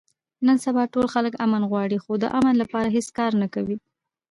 نن سبا ټول خلک امن غواړي، خو د امن لپاره هېڅ کار نه کوي.